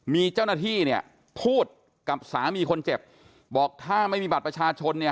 มีเจ้าหน้าที่เนี่ยพูดกับสามีคนเจ็บบอกถ้าไม่มีบัตรประชาชนเนี่ย